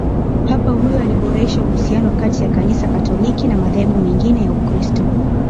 papa huyo aliboresha uhusiano kati ya kanisa katoliki na madhehebu mengine ya ukristo